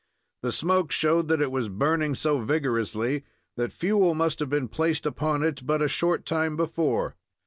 The smoke showed that it was burning so vigorously that fuel must have been placed upon it but a short time before.